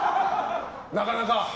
なかなか！